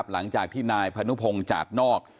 หลังจากที่นายพนุพงศ์จาดนอก